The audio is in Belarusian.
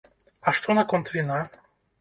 А што наконт віна?